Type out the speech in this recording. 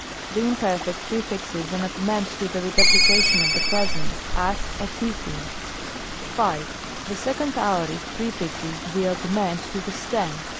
The Imperfect prefixes an augment to the redu plication of the Present ; as, s ri'&^v. 5. The 2d Aorist prefixes the augment to the stem.